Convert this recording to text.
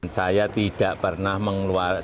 saya tidak pernah mengeluarkan